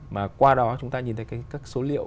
mà qua đó chúng ta nhìn thấy các số liệu